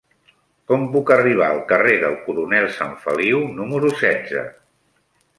Com puc arribar al carrer del Coronel Sanfeliu número setze?